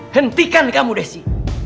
hentikan kamu desi